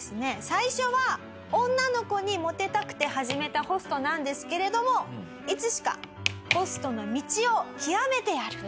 最初は女の子にモテたくて始めたホストなんですけれどもいつしかホストの道を極めてやる！